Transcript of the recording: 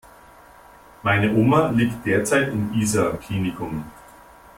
Meine Oma liegt derzeit im Isar Klinikum.